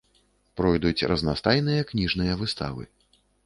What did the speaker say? Пройдуць разнастайныя кніжныя выставы.